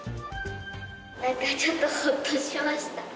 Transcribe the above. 何かちょっとホッとしました。